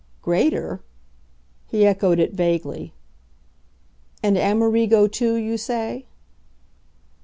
"Greater ?" He echoed it vaguely. "And Amerigo too, you say?"